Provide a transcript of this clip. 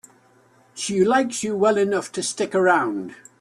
She likes you well enough to stick around.